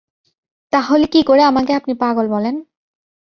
তাহলে কী করে আমাকে আপনি পাগল বলেন?